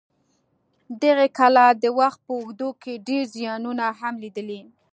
دغې کلا د وخت په اوږدو کې ډېر زیانونه هم لیدلي.